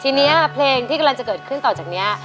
ทีนี้เพลงที่กำลังจะเกิดขึ้นต่อจากนี้